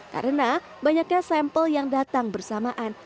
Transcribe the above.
karena banyaknya sampel yang datang bersamaan